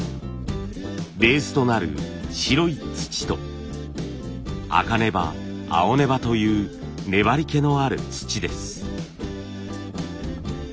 ベースとなる白い土と赤ネバ青ネバという粘りけのある土です。